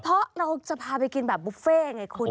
เพราะเราจะพาไปกินแบบบุฟเฟ่ไงคุณ